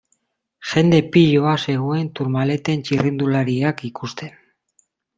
Jende piloa zegoen Tourmaleten txirrindulariak ikusten.